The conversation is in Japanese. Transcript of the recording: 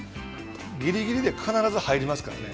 ぎりぎりで必ず入りますからね。